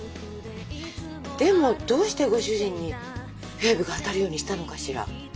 でもどうしてご主人にフェーブが当たるようにしたのかしら？